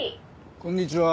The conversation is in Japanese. こんにちは。